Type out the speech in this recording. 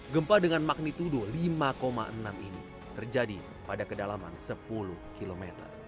gempa dengan magnitudo lima enam ini terjadi pada kedalaman sepuluh km